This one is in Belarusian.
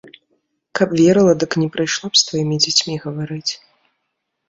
Каб верыла, дык не прыйшла б з тваімі дзецьмі гаварыць.